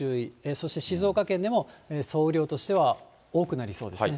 そして静岡県でも総雨量としては多くなりそうですね。